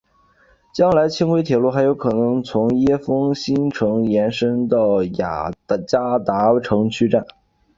将来轻轨铁路还有可能从椰风新城延伸到雅加达城区站。